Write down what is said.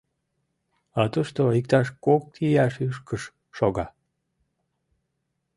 А тушто иктаж кок ияш ӱшкыж шога.